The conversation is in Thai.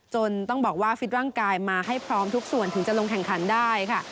ต้องบอกว่าฟิตร่างกายมาให้พร้อมทุกส่วนถึงจะลงแข่งขันได้ค่ะ